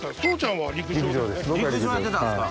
陸上やってたんですか？